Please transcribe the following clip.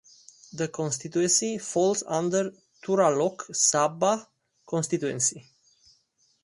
This constituency falls under Tura Lok Sabha constituency.